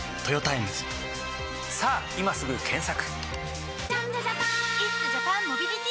さぁ今すぐ検索！